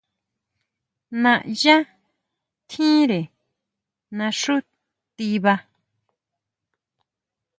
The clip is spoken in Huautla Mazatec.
Naʼyá tjínre naxú tiba.